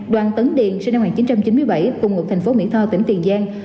đoàn tấn điền sinh năm một nghìn chín trăm chín mươi bảy cùng ngụ thành phố mỹ tho tỉnh tiền giang